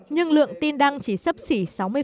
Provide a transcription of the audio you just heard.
nhưng lượng tin đăng chỉ sắp xỉ sáu mươi